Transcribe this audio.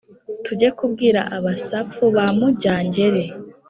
tujye kubwira abasapfu ba mujya-ngeri,